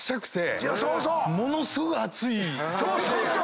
そうそうそう。